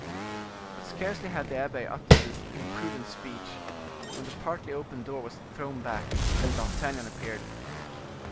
But scarcely had the abbe uttered this imprudent speech, when the partly open door was thrown back, and D'Artagnan appeared.